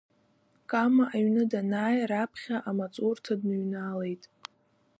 Кама аҩны данааи раԥхьа амаҵурҭа дныҩналеит.